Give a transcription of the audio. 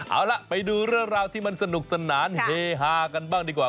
เอาล่ะไปดูเรื่องราวที่มันสนุกสนานเฮฮากันบ้างดีกว่า